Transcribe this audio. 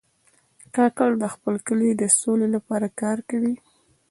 کاکړ د خپل کلي د سولې لپاره کار کوي.